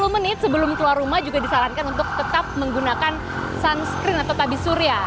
sepuluh menit sebelum keluar rumah juga disarankan untuk tetap menggunakan sunscreen atau tabi surya